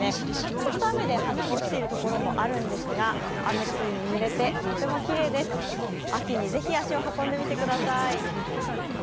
ちょっと雨で花が落ちているところもあるんですが雨露にぬれてとってもきれいです秋にぜひ足を運んでみてください。